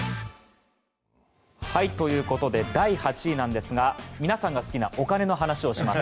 ということで第８位なんですが皆さんが好きなお金の話をします。